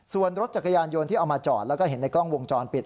ส่วนรถจักรยานยนต์ที่เอามาจอดแล้วก็เห็นในกล้องวงจรปิด